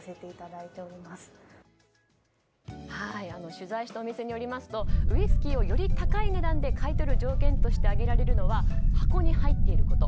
取材したお店によりますとウイスキーをより高い値段で買い取る条件として挙げられるのは箱に入っていること。